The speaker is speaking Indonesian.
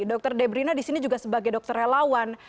dr debrina disini juga sebagai dokter relawan